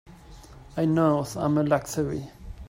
I knows I'm a luxury.